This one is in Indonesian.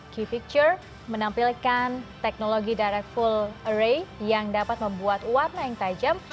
q ficture menampilkan teknologi direct full array yang dapat membuat warna yang tajam